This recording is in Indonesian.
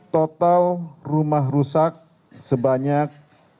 total rumah rusak sebanyak enam puluh tiga dua ratus dua puluh sembilan